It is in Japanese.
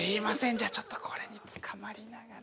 じゃちょっとこれにつかまりながら。